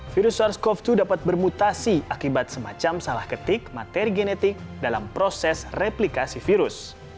virus sars cov dua dapat bermutasi akibat semacam salah ketik materi genetik dalam proses replikasi virus